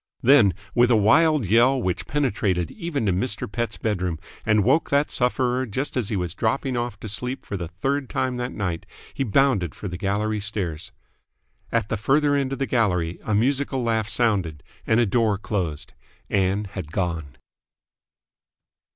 Then, with a wild yell which penetrated even to Mr. Pett's bedroom and woke that sufferer just as he was dropping off to sleep for the third time that night he bounded for the gallery stairs. At the further end of the gallery a musical laugh sounded, and a door closed. Ann had gone.